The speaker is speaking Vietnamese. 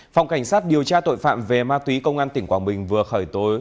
phòng cảnh sát điều tra tội phạm về ma túy công an tỉnh quảng bình vừa khởi tối